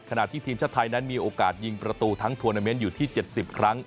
ขณะที่ทีมชาติไทยนั้นมีโอกาสยิงประตูทั้งทวนาเมนต์อยู่ที่๗๐ครั้ง